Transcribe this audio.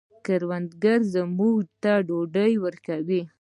کروندګر موږ ته ډوډۍ راکوي